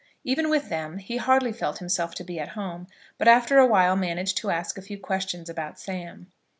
Even with them he hardly felt himself to be at home, but after a while managed to ask a few questions about Sam.